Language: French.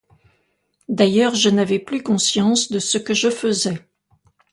D’ailleurs, je n’avais plus conscience de ce que je faisais…